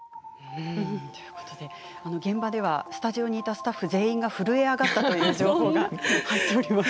現場ではスタジオにいたスタッフ全員が震え上がったという情報が入っております。